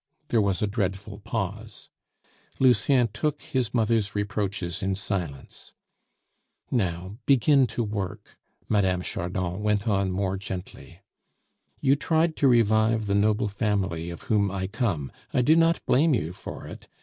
There was a dreadful pause; Lucien took his mother's reproaches in silence. "Now begin to work," Mme. Chardon went on more gently. "You tried to revive the noble family of whom I come; I do not blame you for it.